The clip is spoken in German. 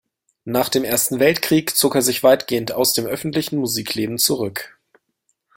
Nach dem Ersten Weltkrieg zog er sich weitgehend aus dem öffentlichen Musikleben zurück.